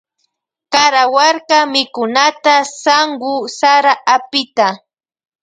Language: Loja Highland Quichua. Karawarka mikunata sanwu sara apita.